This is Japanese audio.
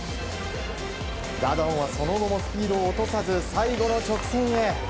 ダダオンはその後もスピードを落とさず最後の直線へ。